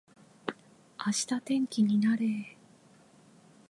明日天気になれー